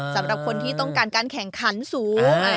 สำหรับคนที่ต้องการการแข่งขันสูงอะไรแบบนี้